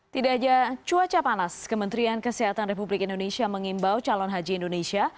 tidak saja cuaca panas kementerian kesehatan republik indonesia mengimbau calon haji indonesia